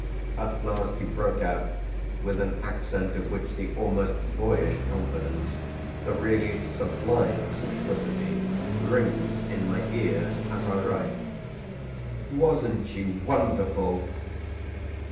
At last he broke out with an accent of which the almost boyish confidence, the really sublime simplicity rings in my ears as I write: "Wasn't she wonderful!"